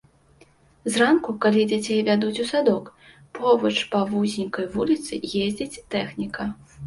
Зранку, калі дзяцей вядуць у садок, побач па вузенькай вуліцы ездзіць тэхніка.